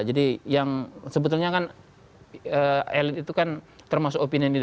jadi yang sebetulnya kan elit itu kan termasuk opini ini